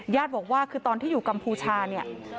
บอกว่าคือตอนที่อยู่กัมพูชาเนี่ย